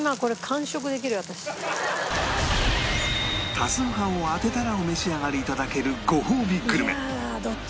多数派を当てたらお召し上がり頂けるごほうびグルメ